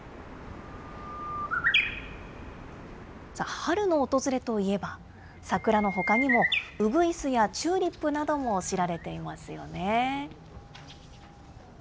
春の訪れといえば、桜のほかにも、ウグイスやチューリップなども知られていますよね。